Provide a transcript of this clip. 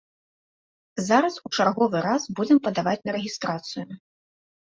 Зараз у чарговы раз будзем падаваць на рэгістрацыю.